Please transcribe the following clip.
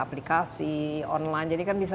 aplikasi online jadi kan bisa